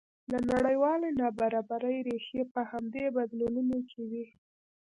د نړیوالې نابرابرۍ ریښې په همدې بدلونونو کې دي.